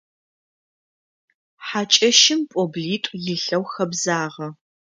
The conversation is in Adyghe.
Хьакӏэщым пӏоблитӏу илъэу хэбзагъэ.